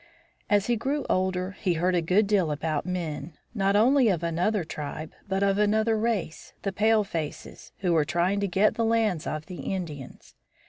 As he grew older he heard a good deal about men, not only of another tribe but of another race, the palefaces, who were trying to get the lands of the Indians.